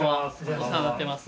お世話になってます。